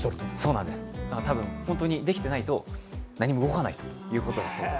そうなんです、多分本当にできていないと何も動かないということだそうです。